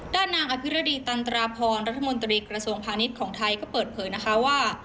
ด้านนางอภิรดีตันตราพรรัฐมนตรีกระทรวงพาณิชย์ของไทยก็เปิดเผยนะคะว่า